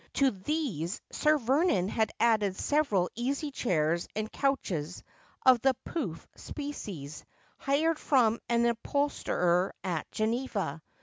To these Sir Vernon had added several easy chairs and couches of the pouf species, hired from an uphol sterer at Greneva.